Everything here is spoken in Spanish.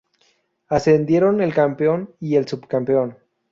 Ascendieron el campeón y el subcampeón.